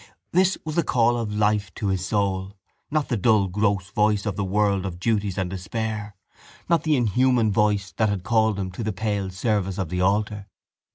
This was the call of life to his soul not the dull gross voice of the world of duties and despair, not the inhuman voice that had called him to the pale service of the altar.